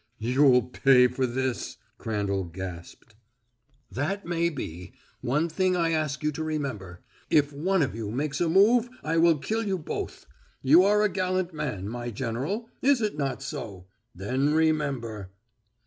"You'll pay for this!" Crandall gasped. "That may be. One thing I ask you to remember. If one of you makes a move I will kill you both. You are a gallant man, my General; is it not so? Then remember."